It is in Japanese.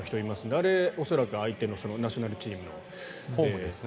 あれ、恐らく相手のナショナルチームの。